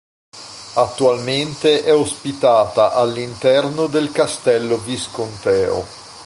Attualmente è ospitata all'interno del Castello visconteo.